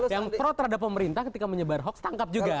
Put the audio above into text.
yang pro terhadap pemerintah ketika menyebar hoax tangkap juga